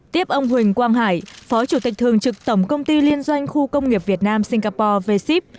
tiếp ông huỳnh quang hải phó chủ tịch thường trực tổng công ty liên doanh khu công nghiệp việt nam singapore v ship